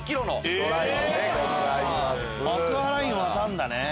アクアライン渡るんだね。